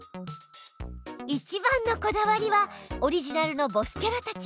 いちばんのこだわりはオリジナルのボスキャラたち。